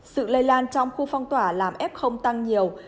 sự lây lan trong khu phong tỏa làm f tăng nhiều